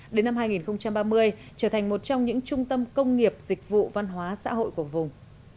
đến năm hai nghìn ba mươi trở thành một trong những trung tâm công nghiệp dịch vụ văn hóa xã hội của vùng